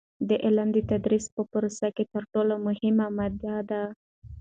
د علم د تدریس په پروسه کې تر ټولو مهمه مادیه ده.